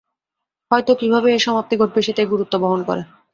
হয়তো কিভাবে এর সমাপ্তি ঘটবে সেটাই গুরুত্ব বহন করে।